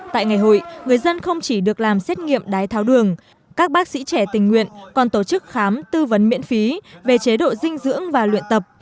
tại ngày hội người dân không chỉ được làm xét nghiệm đái tháo đường các bác sĩ trẻ tình nguyện còn tổ chức khám tư vấn miễn phí về chế độ dinh dưỡng và luyện tập